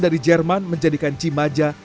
dari jerman menjadikan cimaja